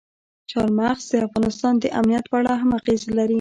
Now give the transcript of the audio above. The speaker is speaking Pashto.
چار مغز د افغانستان د امنیت په اړه هم اغېز لري.